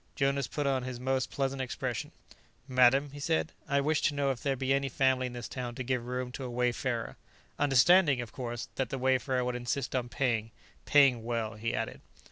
Jonas put on his most pleasant expression. "Madam," he said, "I wish to know if there be any family in this town to give room to a wayfarer understanding, of course, that the wayfarer would insist on paying. Paying well," he added.